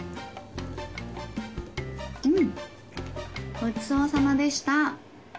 ごちそうさまでした。